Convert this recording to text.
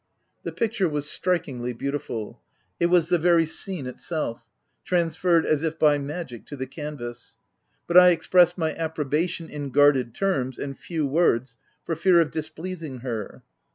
The picture was strikingly beautiful : it was the very scene itself, transferred as if by magic to the canvass ; but I expressed my approbation in guarded terms, and few words, for fear of dis pleasing her.